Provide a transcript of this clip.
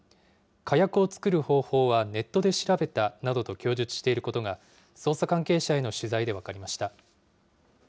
火薬を作る方法はネットで調べたなどと供述していることが、捜査関係者への取材で分かりました。